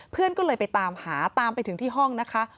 เพื่อนก็เลยไปตามหาตามไปถึงที่ห้องนะคะ